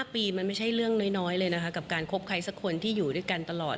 ๕ปีมันไม่ใช่เรื่องน้อยเลยนะคะกับการคบใครสักคนที่อยู่ด้วยกันตลอด